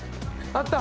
あった。